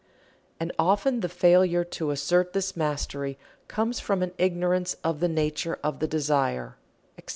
And often the failure to assert this mastery comes from an ignorance of the nature of the desire, etc.